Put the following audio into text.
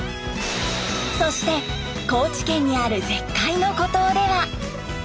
そして高知県にある絶海の孤島では。